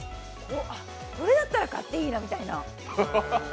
これだったら買っていいなみたいな。